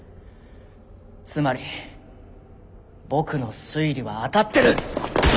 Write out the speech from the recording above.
つまり僕の推理は当たってる！